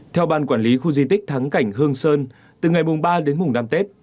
theo ban quản lý khu di tích thắng cảnh hương sơn từ ngày mùng ba đến mùng năm tết